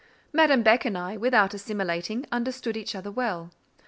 Madame Beck and I, without assimilating, understood each other well.